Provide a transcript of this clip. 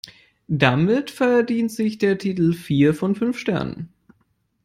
Damit verdient sich der Titel vier von fünf Sternen.